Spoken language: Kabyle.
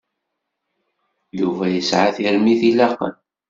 Yuba yesɛa tirmit ilaqen.